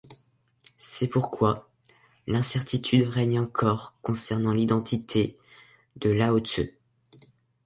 C’est pourquoi l’incertitude règne encore concernant l’identité de Lao Tseu.